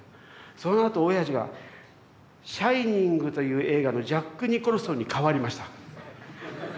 そのあとおやじが「シャイニング」という映画のジャック・ニコルソンに変わりました。